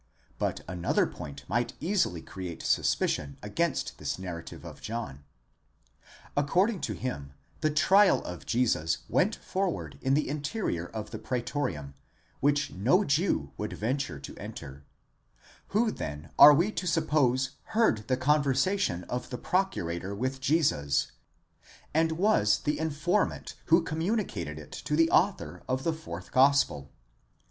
But another point might easily create suspicion against this narrative of John. According to him the trial of Jesus went forward in the interior of the Preetorium, which no Jew would venture to enter; who then are we to suppose heard the conversation of the Procurator with Jesus, and was the informant who communicated it to the author of the fourth gospel?